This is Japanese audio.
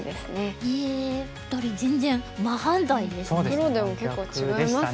プロでも結構違いますよね。